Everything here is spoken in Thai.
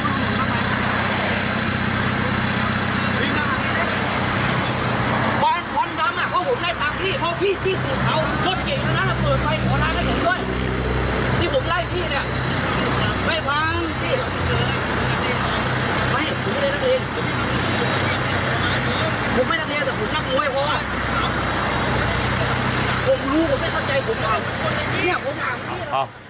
ที่เจอไม่